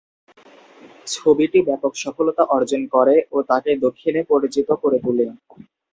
ছবিটি ব্যপক সফলতা অর্জন করে ও তাকে দক্ষিণে পরিচিত করে তুলে।